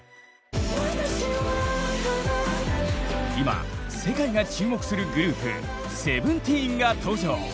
今世界が注目するグループＳＥＶＥＮＴＥＥＮが登場！